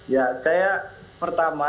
ya saya pertama